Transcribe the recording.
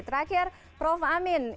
terakhir prof amin